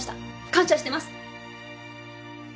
感謝してます。